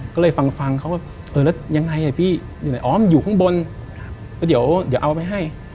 ก็เลยฟังเขาก็เออแล้วยังไงไอ้พี่อ๋อมันอยู่ข้างบนก็เดี๋ยวเอาไว้ให้